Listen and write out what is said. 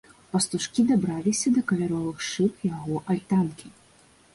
Пастушкі дабраліся да каляровых шыб яго альтанкі.